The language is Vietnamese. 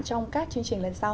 trong các chương trình lần sau